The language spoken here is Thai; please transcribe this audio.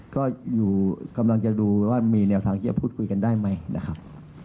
ก็อยู่กำลังจะดูว่ามีแนวทางที่จะพูดคุยกันได้ไหมนะครับ